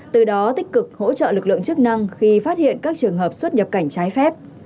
từ đó tích cực hỗ trợ lực lượng chức năng khi phát hiện các trường hợp xuất nhập cảnh trái phép